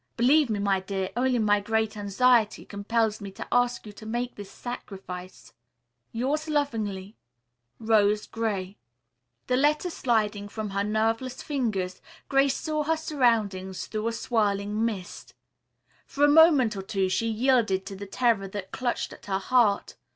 Believe me, my dear, only my great anxiety compels me to ask you to make this sacrifice. "Yours lovingly, "ROSE GRAY." The letter sliding from her nerveless fingers, Grace saw her surroundings through a swirling mist. For a moment or two she yielded to the terror that clutched at her heart.